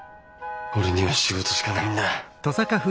俺には仕事しかないんだ。